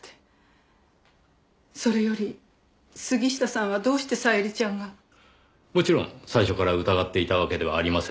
それより杉下さんはどうして小百合ちゃんが。もちろん最初から疑っていたわけではありません。